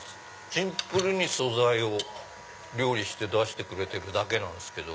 シンプルに素材を料理して出してくれてるだけなんすけど。